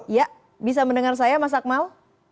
ya bisa mendengar saya mas akmal